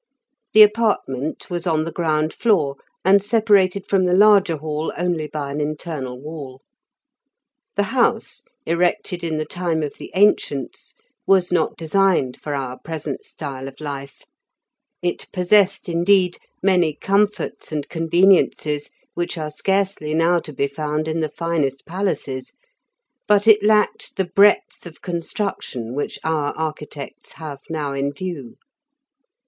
The apartment was on the ground floor, and separated from the larger hall only by an internal wall. The house, erected in the time of the ancients, was not designed for our present style of life; it possessed, indeed, many comforts and conveniences which are scarcely now to be found in the finest palaces, but it lacked the breadth of construction which our architects have now in view.